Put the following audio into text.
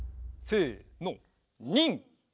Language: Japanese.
せの。